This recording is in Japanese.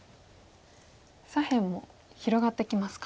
左辺も広がってきますか。